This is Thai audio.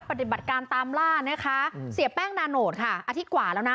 ปฏิบัติการตามล่านะคะเสียแป้งนาโนตค่ะอาทิตย์กว่าแล้วนะ